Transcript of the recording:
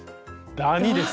「ダニ」です。